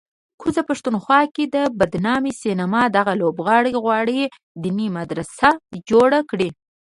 کوزه پښتونخوا کې د بدنامې سینما دغه لوبغاړی غواړي دیني مدرسه جوړه کړي